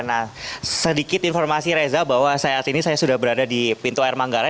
nah sedikit informasi reza bahwa saat ini saya sudah berada di pintu air manggarai